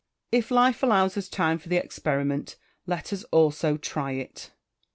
If life allows us time for the experiment, let us also try it.